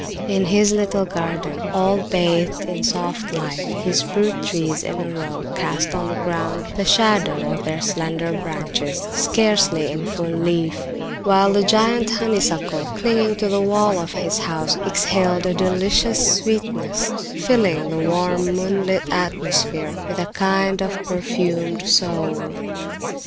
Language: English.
In his little garden, all bathed in soft light, his fruit trees in a row cast on the ground the shadow of their slender branches, scarcely in full leaf, while the giant honeysuckle, clinging to the wall of his house, exhaled a delicious sweetness, filling the warm moonlit atmosphere with a kind of perfumed soul.